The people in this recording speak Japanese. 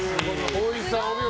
ほいさん、お見事。